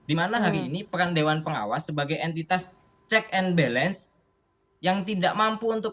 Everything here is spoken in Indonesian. dimana hari ini peran dewan pengawas sebagai entitas check and balance yang tidak mampu untuk